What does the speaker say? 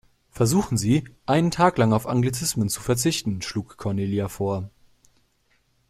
Versuchen Sie, einen Tag lang auf Anglizismen zu verzichten, schlug Cornelia vor.